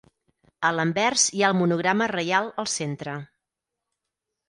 A l'anvers hi ha el monograma reial al centre.